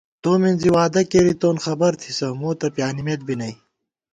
تو مِنزی وعدہ کېرِیتون ، خبر تھِسہ ، مو تہ پیانِمېت بی نئ